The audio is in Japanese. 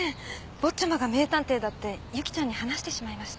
坊ちゃまが名探偵だって由紀ちゃんに話してしまいまして。